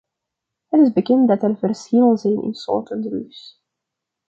Het is bekend dat er verschillen zijn in soorten drugs.